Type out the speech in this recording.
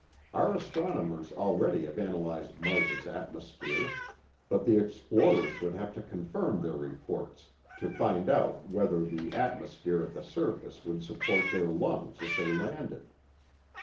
Our astronomers already have analyzed Mars's atmosphere, but the explorers would have to confirm their reports, to find out whether the atmosphere at the surface would support their lungs if they landed.